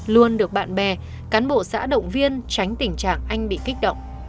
luôn được bạn bè cán bộ xã động viên tránh tình trạng anh bị kích động